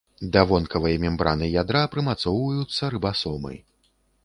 Да вонкавай мембраны ядра прымацоўваюцца рыбасомы.